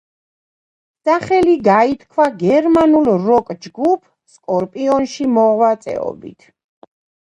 სახელი გაითქვა გერმანულ როკ-ჯგუფ, სკორპიონსში მოღვაწეობით.